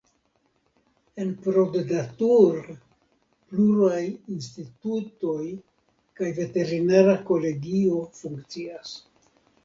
En Proddatur pluraj institutoj kaj veterinara kolegio funkcias.